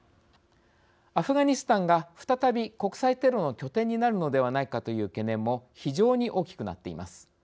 アフガニスタンが再び国際テロの拠点になるのではないかという懸念も非常に大きくなっています。